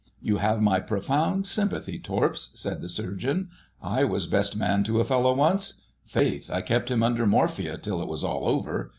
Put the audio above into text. "You have my profound sympathy, Torps," said the Surgeon. "I was Best Man to a fellow once—faith, I kept him under morphia till it was all over.